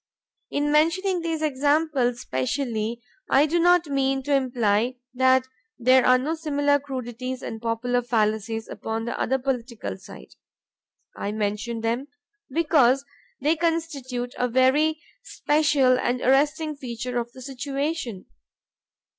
In mentioning these examples specially I do not mean to imply that there are no similar crudities and popular fallacies upon the other political side. I mention them because they constitute a very special and arresting feature of the situation.